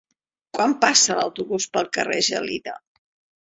Quan passa l'autobús pel carrer Gelida?